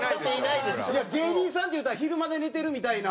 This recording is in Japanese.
いや芸人さんっていうたら昼まで寝てるみたいな。